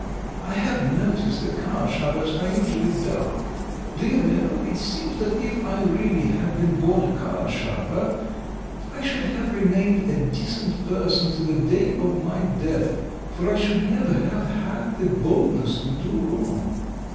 I have noticed that cardsharpers are usually dark. Do you know, it seems that if I really had been born a cardsharper I should have remained a decent person to the day of my death, for I should never have had the boldness to do wrong.